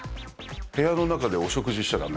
部屋の中でお食事しちゃだめ。